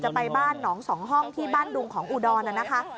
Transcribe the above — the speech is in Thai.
ไปบ้านหนองสองห้องที่บ้านดุงของอุดรน่ะนะคะ